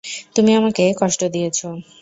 তুমি আমাকে কষ্ট দিয়েছ।